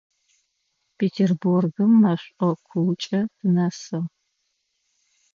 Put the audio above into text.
Петербургым мэшӏокукӏэ тынэсыгъ.